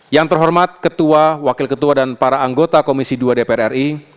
yang terhormat ketua wakil ketua dan para anggota komisi dua dpr ri